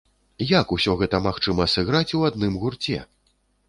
Як усё гэта магчыма сыграць у адным гурце?